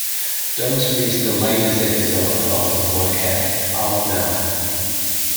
Don't miss the latest episode of the podcast. Out now!